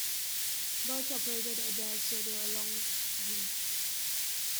Burge operated a dance studio on Long Island.